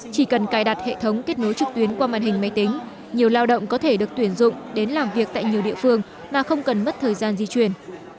chỉ cần cài đặt hệ thống kết nối trực tuyến qua màn hình máy tính nhiều lao động có thể được tuyển dụng đến làm việc tại nhiều địa phương mà không cần mất thời gian di chuyển